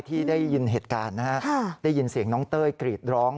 ที่ได้ยินเหตุการณ์นะฮะได้ยินเสียงน้องเต้ยกรีดร้อง